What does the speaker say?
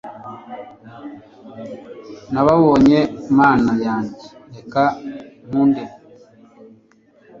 nababonye mana yanjye, reka nkunde